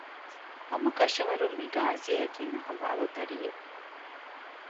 ހަމަކަށަވަރުން މި ޤާޟީއަކީ ނަހަލާލު ދަރިއެއް